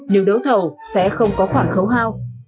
nếu đấu thầu sẽ không có khoản khấu hao